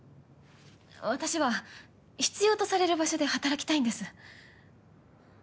私は必要とされる場所で働きたいんです。